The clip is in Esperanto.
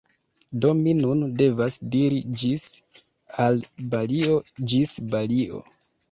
Do mi nun devas diri ĝis al Balio - Ĝis Balio!